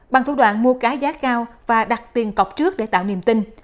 bằng thủ đoạn mua cá giá cao và đặt tiền cọc trước để tạo niềm tin